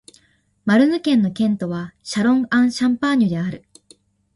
マルヌ県の県都はシャロン＝アン＝シャンパーニュである